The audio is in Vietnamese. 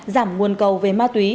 giảm nguồn cầu về ma túy